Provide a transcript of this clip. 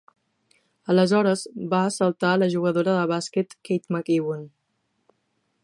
Aleshores va assaltat a la jugadora de bàsquet Kate McEwen.